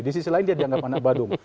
di sisi lain dia dianggap anak badung